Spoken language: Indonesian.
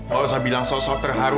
gak usah bilang sosok terharu